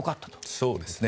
そうですね。